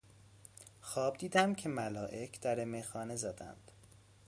خواب دیدم که ملائک در میخانه زدند